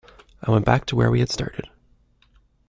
I went back to where we had started.